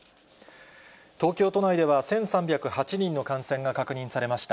東京都内では１３０８人の感染が確認されました。